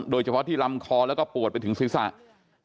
โดยเฉพาะที่ลำคอแล้วก็ปวดไปถึงศิษย์ศาสตร์